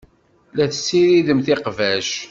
La tessiridemt iqbac.